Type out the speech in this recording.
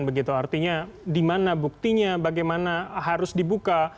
begitu artinya di mana buktinya bagaimana harus dibuka